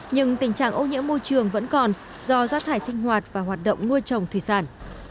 nhưng tình trạng ô nhiễm môi trường vẫn còn do rác thải sinh hoạt và hoạt động nuôi trồng thủy sản